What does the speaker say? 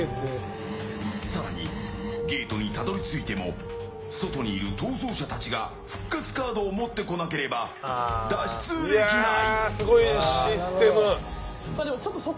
更に、ゲートにたどり着いても外にいる逃走者たちが復活カードを持ってこなければ脱出できない！